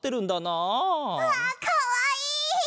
うわかわいい！